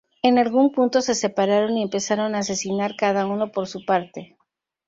En algún punto se separaron y empezaron a asesinar cada uno por su parte.